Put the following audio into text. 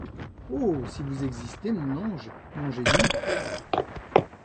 Oh ! si vous existez, mon ange, mon génie